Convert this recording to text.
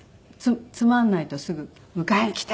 つまんないとすぐ「迎えに来て！」